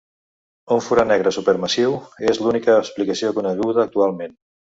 Un forat negre supermassiu és l’única explicació coneguda actualment.